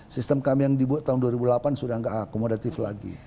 sistem kami yang dibuat tahun dua ribu delapan sudah tidak akomodatif lagi